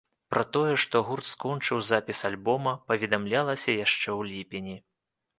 Пра тое, што гурт скончыў запіс альбома, паведамлялася яшчэ ў ліпені.